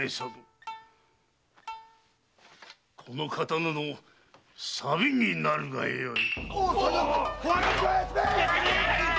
この刀の錆になるがよい！